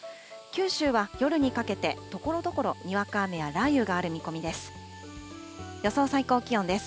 九州は夜にかけてところどころにわか雨や雷雨がある見込みです。